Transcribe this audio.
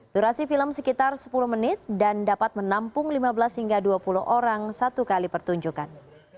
durasi film sekitar sepuluh menit dan dapat menampung lima belas hingga dua puluh orang satu kali pertunjukan